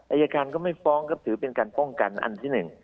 อายการก็ไม่ฟ้องก็ถือเป็นการป้องกันอันที่หนึ่ง